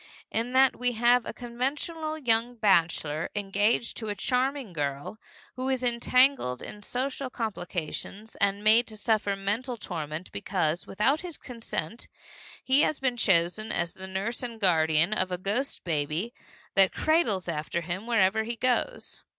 In that we have a conventional young bachelor, engaged to a charming girl, who is entangled in social complications and made to suffer mental torment because, without his consent, he has been chosen as the nurse and guardian of a ghost baby that cradles after him wherever he goes.